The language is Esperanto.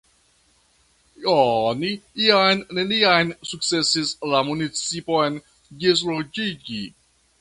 Oni jam neniam sukcesis la municipon ĝisloĝigi.